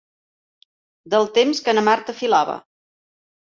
Del temps que na Marta filava.